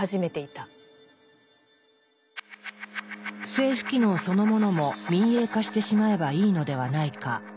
政府機能そのものも民営化してしまえばいいのではないか。